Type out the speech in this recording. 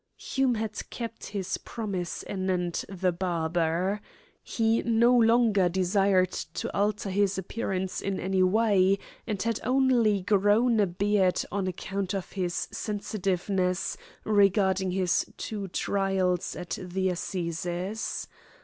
Hume had kept his promise anent the barber. He no longer desired to alter his appearance in any way, and had only grown a beard on account of his sensitiveness regarding his two trials at the Assizes.